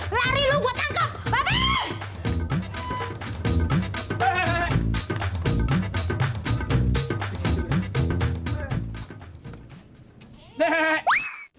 lari lu gua tangkap